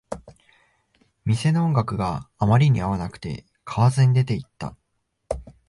店の音楽があまりに合わなくて、買わずに出ていった